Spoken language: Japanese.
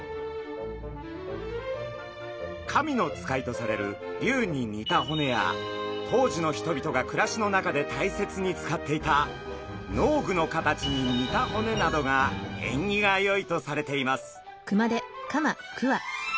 神の使いとされる龍に似た骨や当時の人々が暮らしの中で大切に使っていた農具の形に似た骨などが縁起がよいとされています。